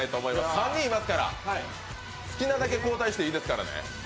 ３人いますから、好きなだけ交代していいですからね。